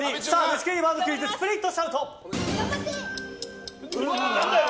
虫食いワードクイズスプリントシャウト。